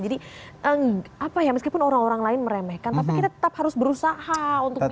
jadi apa ya meskipun orang orang lain meremehkan tapi kita tetap harus berusaha untuk mimpi